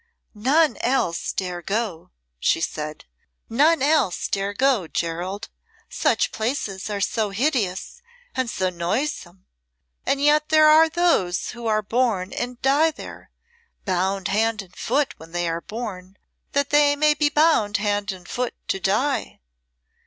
"None else dare go," she said; "none else dare go, Gerald. Such places are so hideous and so noisome, and yet there are those who are born and die there, bound hand and foot when they are born, that they may be bound hand and foot to die!"